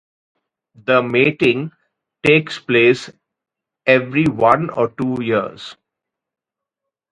The mating takes place every one to two years.